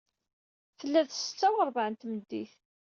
Tella d ssetta uṛbeɛ n tmeddit.